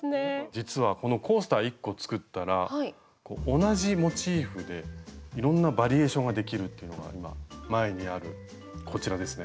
実はこのコースター１個作ったら同じモチーフでいろんなバリエーションができるっていうのが今前にあるこちらですね。